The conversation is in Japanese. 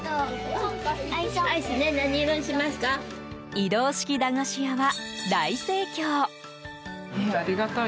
移動式駄菓子屋は大盛況。